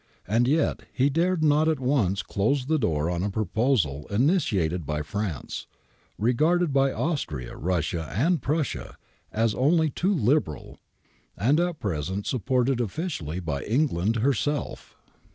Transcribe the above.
And yet he dared not at once close the door on a proposal initiated by France, regarded by Austria, Russia, and Prussia as only too liberal, and at present supported officially by Eng land herself.